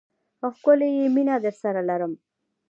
ښکلی یې، مینه درسره لرم